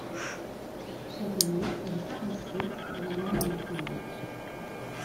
Chaque année, il part à Sylt où il a un atelier.